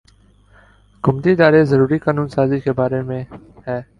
حکومتی ادارے ضروری قانون سازی کے بارے میں بے